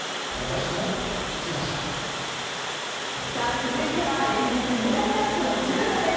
続いては連日メダルラッシュの柔道です。